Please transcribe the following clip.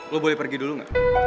lo boleh pergi dulu nggak